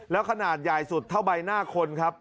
แล้วขนาดใหญ่สุดเท่าใบหน้าคนครับ